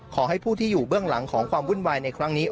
ขอให้ผู้ที่อยู่เบื้องหลังของความวุ่นวายในครั้งนี้